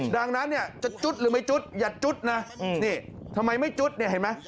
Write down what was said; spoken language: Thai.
ดังนั้นเนี่ยจะจุดหรือไม่จุดอย่าจุดนะนี่ทำไมไม่จุดเนี่ยเห็นไหม